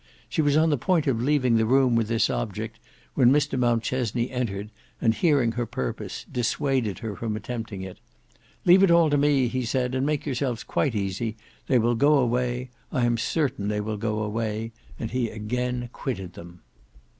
She was on the point of leaving the room with this object when Mr Mountchesney entered and hearing her purpose, dissuaded her from attempting it. "Leave all to me," he said; "and make yourselves quite easy; they will go away, I am certain they will go away," and he again quitted them.